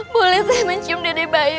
boleh saya mencium dede bayi